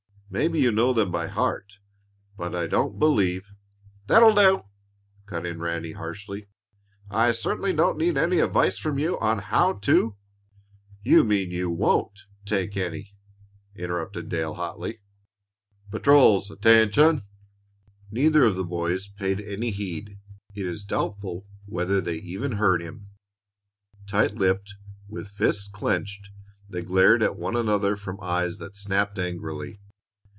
Maybe you know them by heart, but I don't believe " "That'll do!" cut in Ranny, harshly. "I certainly don't need any advice from you on how to " "You mean you won't take any," interrupted Dale, hotly. "Patrols, attention!" rang out Becker's voice sharply. Neither of the boys paid any heed; it is doubtful whether they even heard him. Tight lipped, with fists clenched, they glared at one another from eyes that snapped angrily.